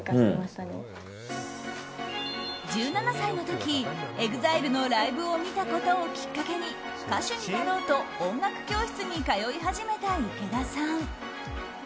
１７歳の時、ＥＸＩＬＥのライブを見たことをきっかけに歌手になろうと音楽教室に通い始めた池田さん。